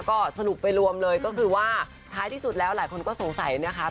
ก็สรุปไปรวมเลยก็คือว่าท้ายที่สุดแล้วหลายคนก็สงสัยนะคะ